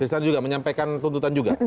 istana juga menyampaikan tuntutan juga